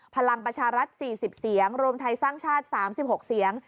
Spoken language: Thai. พลังประชารัฐ๔๐เสียงรวมไทยสร้างชาติ๓๖เสียง